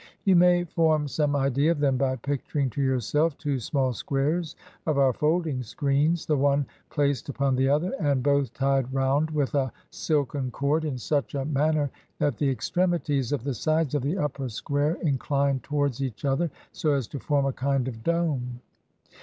You may form some idea of them by picturing to yourself two small squares of our folding screens, the one placed upon the other, and both tied round with a silken cord in such a manner that the extremities of the sides of the upper square incline towards each other so as to form a kind of dome.